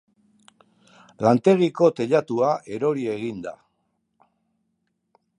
Lantegiko teilatua erori egin da.